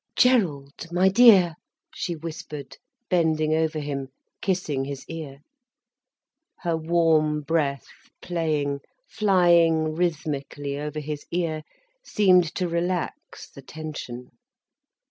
"Gerald, my dear!" she whispered, bending over him, kissing his ear. Her warm breath playing, flying rhythmically over his ear, seemed to relax the tension.